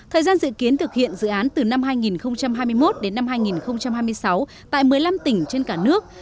thời gian dự kiến thực hiện dự án từ năm hai nghìn hai mươi một đến năm hai nghìn hai mươi sáu tại một mươi năm tỉnh trên cả nước